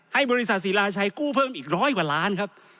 ให้บริษัทศิลาชัยกู้เพิ่มอีกร้อยกว่าล้านครับ